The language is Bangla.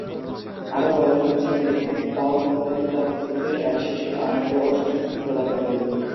আরও বলা হয়েছে যে, বাল-গণপতি তার ভক্তদের এক শিশুর আনন্দ ও সুস্বাস্থ্য প্রদান করেন।